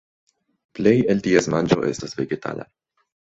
Plej el ties manĝo estas vegetala.